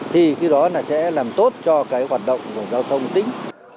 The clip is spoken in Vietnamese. thì cái đó là sẽ làm tốt cho cái hoạt động của giao thông tính